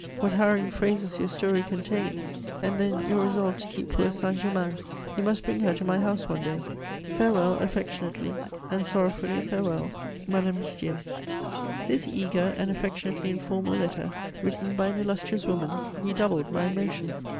What harrowing phrases your story contains! And then your resolve to keep poor Saint Germain: you must bring her to my house one day. "Farewell, affectionately: and sorrowfully, farewell. "M. DE STAËL." This eager and affectionately informal letter, written by an illustrious woman, redoubled my emotion.